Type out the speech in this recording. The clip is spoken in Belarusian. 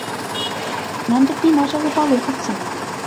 Нам дык няма чаго палохацца.